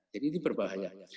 jadi itu berbahaya